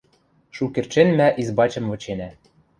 Шукердшен мӓ избачым выченӓ.